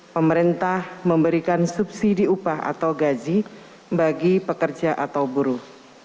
pemerintah memberikan subsidi upah atau gaji bagi pekerja atau buruh